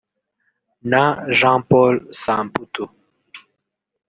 na Jean Paul Samputu